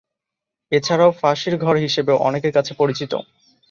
এছাড়াও ফাঁসির ঘর হিসেবেও অনেকের কাছে পরিচিত।